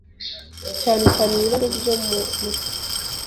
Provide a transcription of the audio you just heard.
cyane cyane ibibazo byo mutwe.